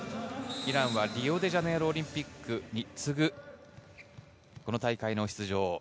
イランはリオデジャネイロオリンピックにつぐ、この大会に出場。